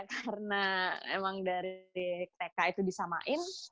karena emang dari tk itu disamain